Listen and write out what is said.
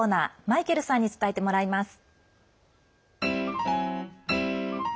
マイケルさんに伝えてもらいます。